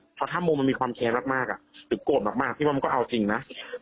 เพราะถ้ามุมมันมีความแค้นมากหรือโกรธมากพี่ว่ามันก็เอาจริงนะ